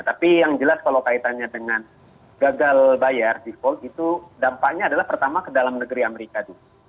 tapi yang jelas kalau kaitannya dengan gagal bayar default itu dampaknya adalah pertama ke dalam negeri amerika dulu